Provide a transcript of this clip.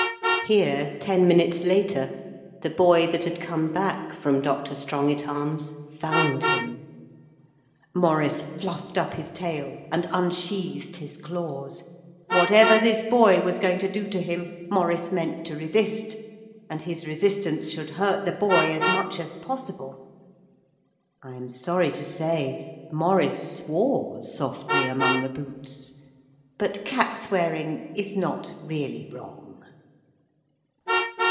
Here, ten minutes later, the boy that had come back from Dr. Strongitharm's found him. Maurice fluffed up his tail and unsheathed his claws. Whatever this boy was going to do to him Maurice meant to resist, and his resistance should hurt the boy as much as possible. I am sorry to say Maurice swore softly among the boots, but cat swearing is not really wrong.